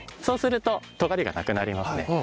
そうすると尖りがなくなりますね。